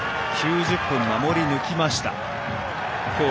９０分、守り抜きました。